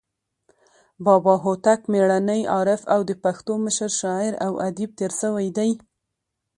بابا هوتک میړنى، عارف او د پښتو مشر شاعر او ادیب تیر سوى دئ.